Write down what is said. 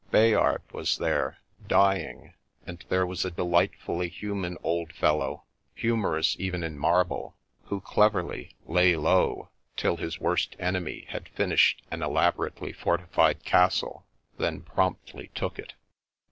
Bayard was there, dying; and there was a delight fully human old fellow (humorous even in marble) who cleverly " lay low " till his worst enemy had fin ished an elaborately fortified castle, then promptly took it.